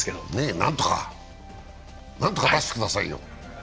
何とか、何とか出してくださいよ。